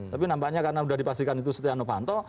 tapi nampaknya karena sudah dipastikan itu setiano panto